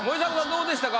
どうでしたか